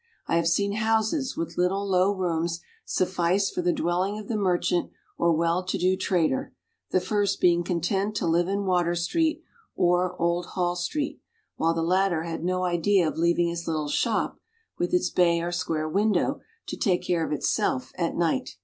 I have seen houses, with little low rooms, suffice for the dwelling of the merchant or well to do trader the first being content to live in Water street or Old Hall street, while the latter had no idea of leaving his little shop, with its bay or square window, to take care of itself at night.